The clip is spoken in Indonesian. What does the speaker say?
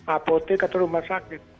apotek atau rumah sakit